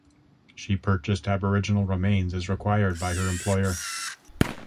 She purchased Aboriginal remains as required by her employer.